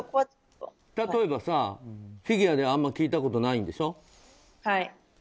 例えばさ、フィギュアであんまり聞いたことないんでしょ。